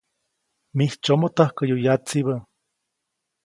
Mijtsyomoʼ täjkäyu yatsibä.